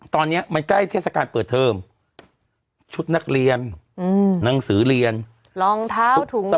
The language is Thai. ตอนนี้มันใกล้เทศกาลเปิดเทอมชุดนักเรียนหนังสือเรียนรองเท้าถุง